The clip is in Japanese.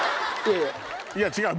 いや違う！